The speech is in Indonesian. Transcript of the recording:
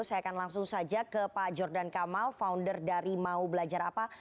saya akan langsung saja ke pak jordan kamal founder dari mau belajar apa